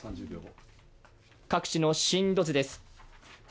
各地の震度図です。